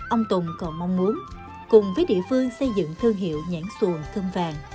ông tùng còn mong muốn cùng với địa phương xây dựng thương hiệu nhãn xuồng cơm vàng